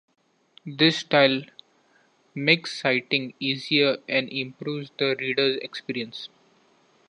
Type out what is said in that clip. This style makes citing easier and improves the reader's experience.